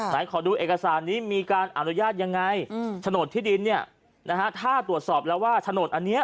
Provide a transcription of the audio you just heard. แต่ขอดูเอกสารนี้มีการอนุญาตยังไงถ้าตรวจสอบแล้วว่าถนนอันนี้